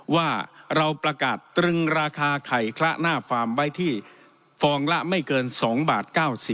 ว่าเราประกาศตรึงราคาไข่คละหน้าฟาร์มไว้ที่ฟองละไม่เกิน๒บาท๙๐